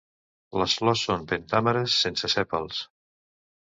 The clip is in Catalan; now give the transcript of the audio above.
Les flors són pentàmeres, sense sèpals.